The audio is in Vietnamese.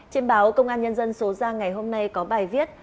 trên báo công an nhân dân số ra ngày hôm nay có bài viết